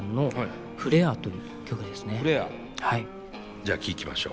じゃあ聴きましょう。